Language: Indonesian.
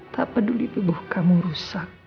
tak peduli tubuh kamu rusak